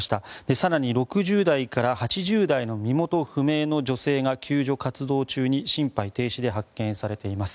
更に６０代から８０代の身元不明の女性が救助活動中に心肺停止で発見されています。